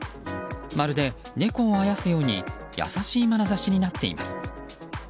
まるで猫をあやすように優しいまなざしになっています。